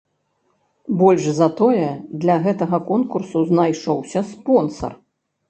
Больш за тое, для гэтага конкурсу знайшоўся спонсар.